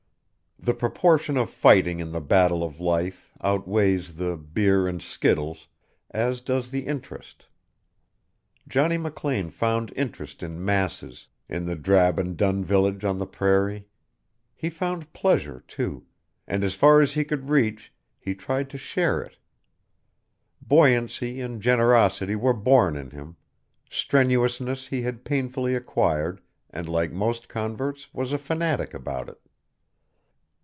The proportion of fighting in the battle of life outweighs the "beer and skittles"; as does the interest. Johnny McLean found interest in masses, in the drab and dun village on the prairie. He found pleasure, too, and as far as he could reach he tried to share it; buoyancy and generosity were born in him; strenuousness he had painfully acquired, and like most converts was a fanatic about it.